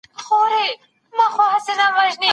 زمان د پیښو د تیریدو شاهد دی.